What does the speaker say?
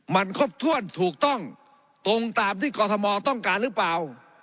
มันครบถ้วนถูกต้องตรงตามที่กรทมต้องการหรือเปล่า